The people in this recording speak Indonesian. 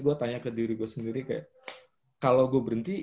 gue tanya ke diri gue sendiri kayak kalau gue berhenti